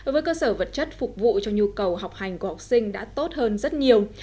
với cơ sở vật chất phục vụ cho nhu cầu học hành của học sinh đã tốt hơn rất nhiều